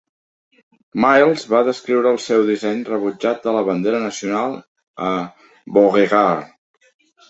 Miles va descriure el seu disseny rebutjat de la bandera nacional a Beauregard.